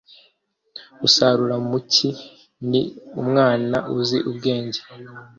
usarura mu cyi ni umwana uzi ubwenge